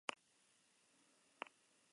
La madurez se alcanza al año de edad.